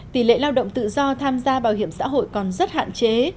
tỷ lệ lao động tự do tham gia bảo hiểm xã hội còn rất hạn chế